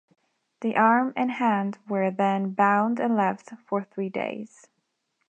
The arm and hand were then bound and left for three days.